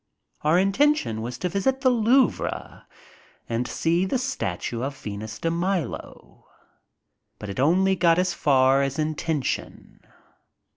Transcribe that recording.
Our intention was to visit the Louvre and see the statue of Venus de Milo, but it only got as far as intention.